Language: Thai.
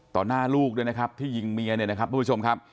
หน้าลูกด้วยนะครับที่ยิงเมียเนี่ยนะครับทุกผู้ชมครับ